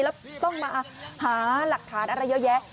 แล้วต้องมาหาหลักฐานอะไรเยอะแยะ